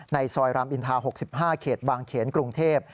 ซอยรามอินทา๖๕เขตบางเขนกรุงเทพ